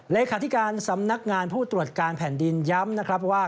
เลขาธิการสำนักงานผู้ตรวจการแผ่นดินย้ำนะครับว่า